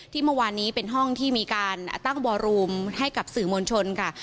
เมื่อวานนี้เป็นห้องที่มีการตั้งวอรูมให้กับสื่อมวลชนค่ะ